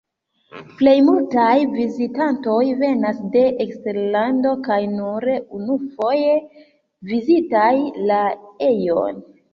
Plej multaj vizitantoj venas de eksterlando kaj nur unufoje vizitas la ejon.